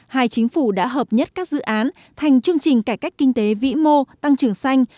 hai chính phủ đã hợp nhất các dự án thành chương trình cải cách kinh tế vĩ mô tăng trưởng xanh